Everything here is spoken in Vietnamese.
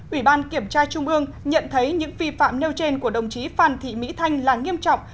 ủy ban kiểm tra trung ương nhận thấy những vi phạm nêu trên của đồng chí phan thị mỹ thanh là nghiêm trọng